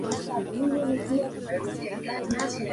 ellas no hubieron partido